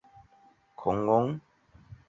奇异龙是兰斯组的常见恐龙。